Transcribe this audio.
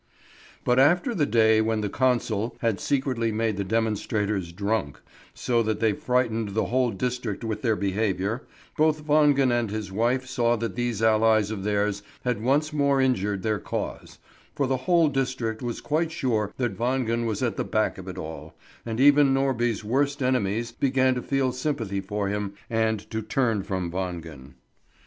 But after the day when the consul had secretly made the demonstrators drunk, so that they frightened the whole district with their behaviour, both Wangen and his wife saw that these allies of theirs had once more injured their cause; for the whole district was quite sure that Wangen was at the back of it all, and even Norby's worst enemies began to feel sympathy for him and to turn from Wangen.